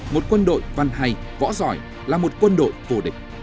một quân đội văn hay võ giỏi là một quân đội vô địch